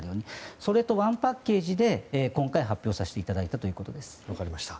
それとワンパッケージで今回発表させていただいたということです。